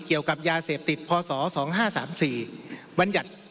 เกี่ยวกับยาเสพติดพศ๒๕๓๔บัญญัติ